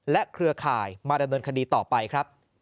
เครือข่ายมาดำเนินคดีต่อไปครับ